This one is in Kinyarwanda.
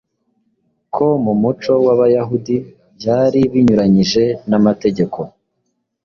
ko mu muco w’Abayahudi byari binyuranyije n’amategeko